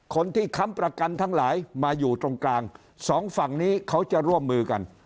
ค้ำประกันทั้งหลายมาอยู่ตรงกลางสองฝั่งนี้เขาจะร่วมมือกัน